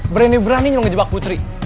berani beraninya lo ngejebak putri